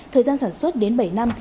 thời gian sản xuất đến bảy năm